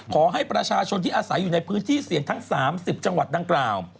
ขอให้ประชาชนที่อาศัยอยู่ในพื้นที่เสี่ยงทั้ง๓๐จังหวัดดังกล่าว